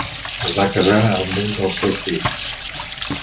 Es va casar amb un dels seus fills.